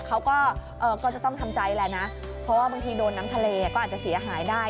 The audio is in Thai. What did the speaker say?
เขาก็จะต้องทำใจแหละนะเพราะว่าบางทีโดนน้ำทะเลก็อาจจะเสียหายได้